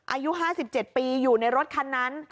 อายุ๕๗ปีอยู่ในรถคันนั้น